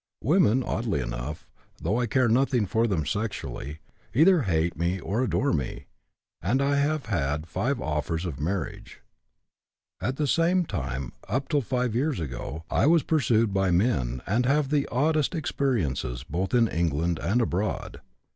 Women, oddly enough, though I care nothing for them sexually, either hate me or adore me, and I have had five offers of marriage. At the same time up till five years ago, I was pursued by men and have had the oddest experiences both in England and abroad.